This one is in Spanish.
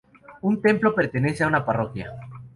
Un templo pertenece a una parroquia.